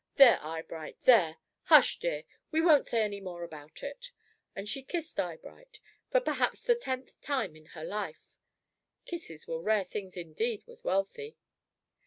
"There, Eyebright, there! Hush, dear; we won't say any more about it." And she kissed Eyebright, for perhaps the tenth time in her life. Kisses were rare things, indeed, with Wealthy.